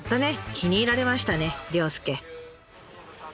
気に入られましたね僚介。